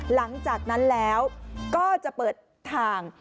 หลังจากนั้นแล้วก็จะเปิดทาง